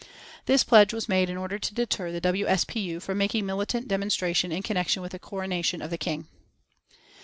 This pledge was made in order to deter the W. S. P. U. from making a militant demonstration in connection with the coronation of the King.